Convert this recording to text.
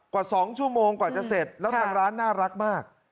กว่า๒ชั่วโมงกว่าจะเสร็จแล้วทางร้านน่ารักมาก